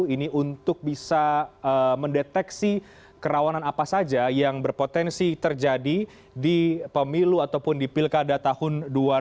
ini untuk bisa mendeteksi kerawanan apa saja yang berpotensi terjadi di pemilu ataupun di pilkada tahun dua ribu dua puluh